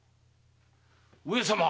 上様。